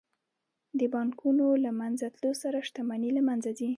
د بانکونو له منځه تلو سره شتمني له منځه ځي